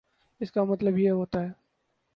اس کا مطلب یہ ہوتا ہے